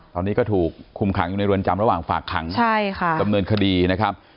ตอนนี้ก็ถูกคุมขังอยู่ในเรือนจำระหว่างฝากขังดำเนินคดีนะครับ